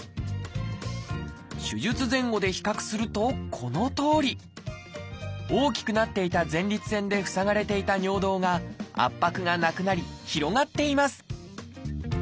手術前後で比較するとこのとおり。大きくなっていた前立腺で塞がれていた尿道が圧迫がなくなり広がっています。